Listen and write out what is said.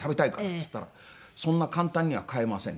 っつったら「そんな簡単には買えません」